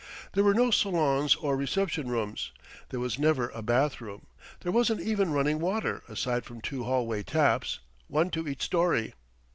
There were no salons or reception rooms, there was never a bath room, there wasn't even running water aside from two hallway taps, one to each storey.